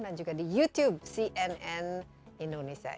dan juga di youtube cnn indonesia